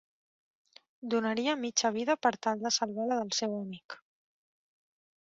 Donaria mitja vida per tal de salvar la del seu amic!